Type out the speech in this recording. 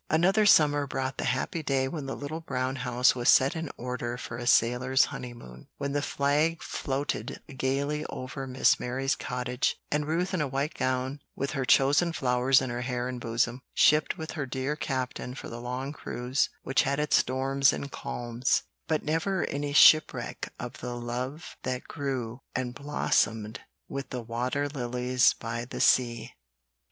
Another summer brought the happy day when the little brown house was set in order for a sailor's honeymoon, when the flag floated gayly over Miss Mary's cottage, and Ruth in a white gown with her chosen flowers in her hair and bosom, shipped with her dear Captain for the long cruise which had its storms and calms, but never any shipwreck of the love that grew and blossomed with the water lilies by the sea.